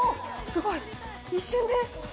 すごい。一瞬で。